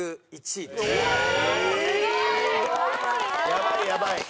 やばいやばい！